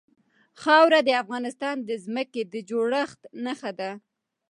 خاوره د افغانستان د ځمکې د جوړښت نښه ده.